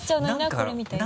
これみたいな。